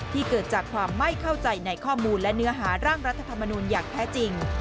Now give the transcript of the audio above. เกิดจากความไม่เข้าใจในข้อมูลและเนื้อหาร่างรัฐธรรมนูลอย่างแท้จริง